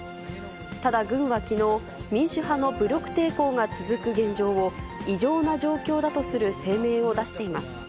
ただ軍はきのう、民主派の武力抵抗が続く現状を、異常な状況だとする声明を出しています。